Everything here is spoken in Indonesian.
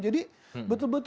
jadi betul betul memusat